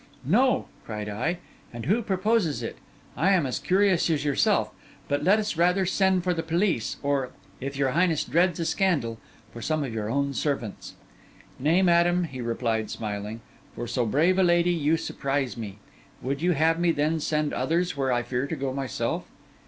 'No!' cried I. 'And who proposes it? I am as curious as yourself, but let us rather send for the police; or, if your highness dreads a scandal, for some of your own servants.' 'Nay, madam,' he replied, smiling, 'for so brave a lady, you surprise me. Would you have me, then, send others where I fear to go myself?